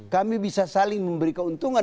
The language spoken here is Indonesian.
kami bisa saling memberi keuntungan